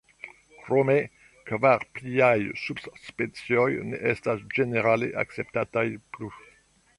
Krome kvar pliaj subspecioj ne estas ĝenerale akceptataj plu.